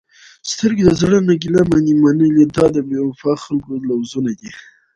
سترګې د زړه نه ګېله منې، منلې تا د بې وفاء خلکو لوظونه